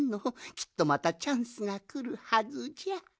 きっとまたチャンスがくるはずじゃ。